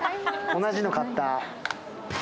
同じの買った。